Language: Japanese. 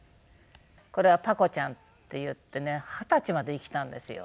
これはパコちゃんっていってね二十歳まで生きたんですよ。